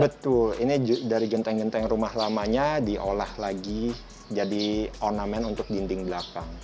betul ini dari genteng genteng rumah lamanya diolah lagi jadi ornamen untuk dinding belakang